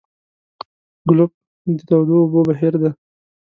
ګلف د تودو اوبو بهیر دی.